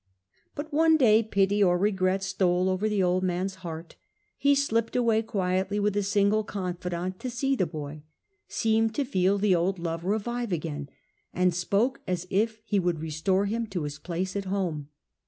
But one day pity or regret stole over the old man's heart: he slipped away quietly with a single confidant to see the boy, seemed to feel the old love revive again, and spoke as if he would restore him to his place at home.